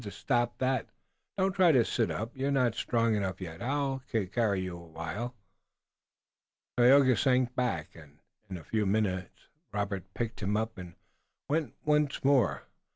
Stop that! Don't try to sit up! You're not strong enough yet. I'll carry you awhile." Tayoga sank back, and, in a few more minutes, Robert picked him up and went on once more.